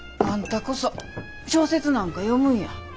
あんたこそ小説なんか読むんや。